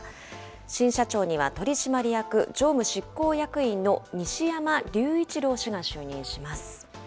新社長には取締役常務執行役員の西山隆一郎氏が就任します。